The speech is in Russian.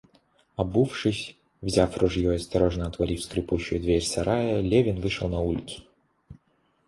Обувшись, взяв ружье и осторожно отворив скрипучую дверь сарая, Левин вышел на улицу.